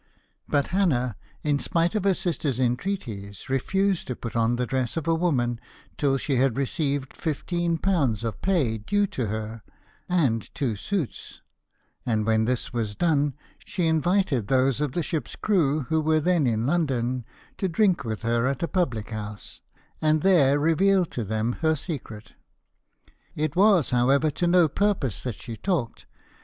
But Hannah, in spite of her sister's entreaties, refused to put on the dress of a woman till she had received £15 of pay due to her, and two suits; and when this was done, she invited those of the ship's crew who were then in London to drink with her at a public house, and there revealed to them her secret. [Illustration: THE SAILORS DRINK THE HEALTH OF AMAZON SNELL] It was, however, to no purpose that she talked.